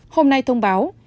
hôm nay thông báo